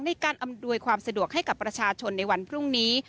ในการอำนวยความสะดวกให้กับประชาชนในวันพรุ่งนี้